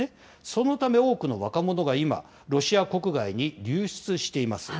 そのため、多くの若者が今、ロシア国外に流出しています。